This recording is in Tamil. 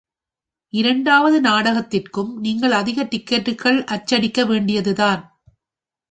இரண்டாவது நாடகத்திற்கும் நீங்கள் அதிக டிக்கட்டுகள் அச்சடிக்க வேண்டியதுதான்.